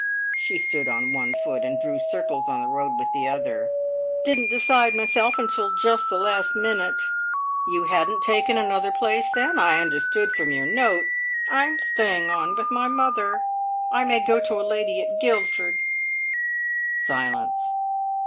She stood on one foot, and drew circles on the road with the other. "Didn't decide myself till just the last minute." "You hadn't taken another place then? I understood from your note " "I'm staying on with my mother. I may go to a lady at Guildford." Silence.